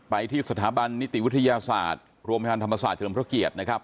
ที่สถาบันนิติวิทยาศาสตร์โรงพยาบาลธรรมศาสตร์เฉลิมพระเกียรตินะครับ